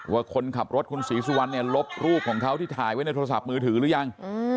ว่าคนขับรถคุณศรีสุวรรณเนี่ยลบรูปของเขาที่ถ่ายไว้ในโทรศัพท์มือถือหรือยัง